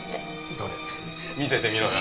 どれ見せてみろよ。